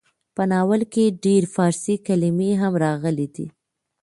په ناول کې ډېر فارسي کلمې هم راغلې ډي.